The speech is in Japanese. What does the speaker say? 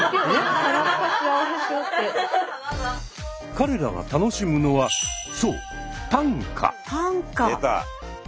彼らが楽しむのはそう出た。